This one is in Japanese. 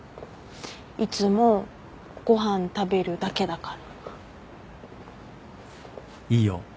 いつもご飯食べるだけだから。